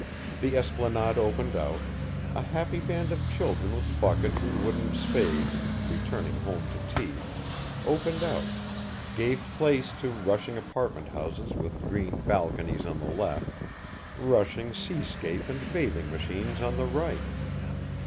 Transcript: The esplanade opened out, a happy band of children with buckets and wooden spades, returning home to tea, opened out, gave place to rushing apartment houses with green balconies on the left, rushing sea scape and bathing machines on the right.